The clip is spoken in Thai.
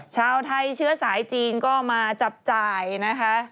ชาวไทยเชื้อสายจีนก็มาจับจ่ายนะคะ